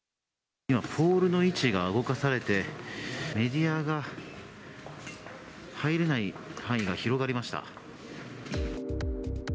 ポールの位置が動かされてメディアが入れない範囲が広がりました。